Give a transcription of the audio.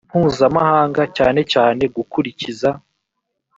mpuzamahanga cyane cyane gukurikiza